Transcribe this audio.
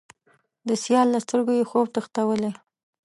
د سیال له سترګو یې، خوب تښتولی